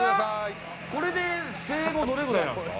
これで生後どれくらいなんですか？